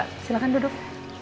selamat siang pak silahkan duduk